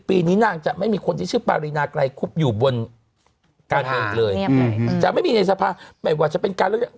๑๐ปีนี้นางจะไม่มีคนที่ชื่อปารีนากัยคุบอยู่บน